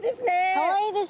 かわいいです。